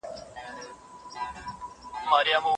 نارنج ګل مي پر زړه اوري انارګل مي را یادیږي